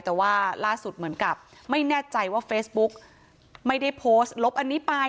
แต่ว่าล่าสุดเหมือนกับไม่แน่ใจว่าเฟซบุ๊กไม่ได้โพสต์ลบอันนี้ไป